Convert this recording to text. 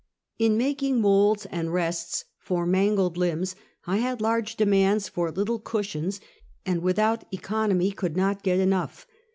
In making molds and rests for mangled limbs, I had large demands for little cushions, and without economy could not get enough.